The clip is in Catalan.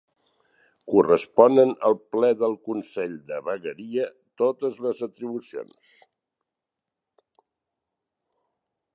Corresponen al ple del consell de vegueria totes les atribucions.